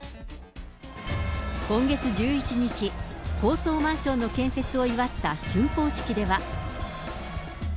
今月１１日、高層マンションの建設を祝ったしゅんこう式では。